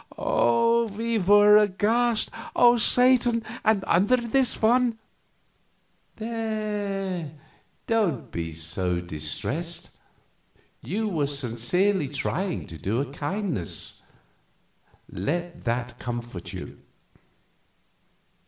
We were aghast. "Oh, Satan! and under this one " "There, don't be so distressed. You were sincerely trying to do him a kindness; let that comfort you."